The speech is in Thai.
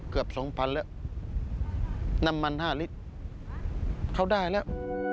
เกือบสองพันแล้วน้ำมัน๕ลิตรเขาได้แล้ว